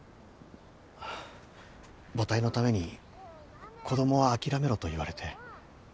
母体のために子どもは諦めろと言われて。